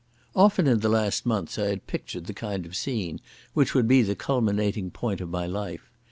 Often in the last months I had pictured the kind of scene which would be the culminating point of my life.